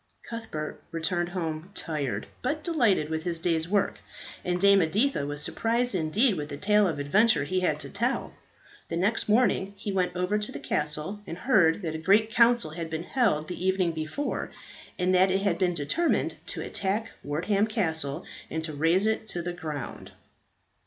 Cuthbert returned home tired, but delighted with his day's work, and Dame Editha was surprised indeed with the tale of adventure he had to tell. The next morning he went over to the castle, and heard that a grand council had been held the evening before, and that it had been determined to attack Wortham Castle and to raze it to the ground.